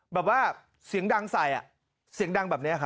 พร้อมทุกครั้งเลยหรอ๖๐๐๐๐๐๐อ่ะ